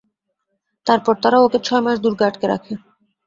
তারপর তারা ওকে ছয় মাস দুর্গে আটকে রাখে।